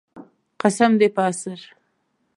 قسم دی په عصر.